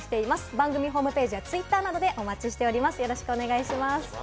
番組ホームページやツイッターなどでお待ちしております。